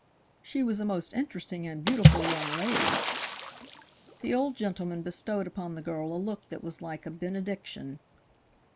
"She was a most interesting and beautiful young lady." The old gentleman bestowed upon the girl a look that was like a benediction.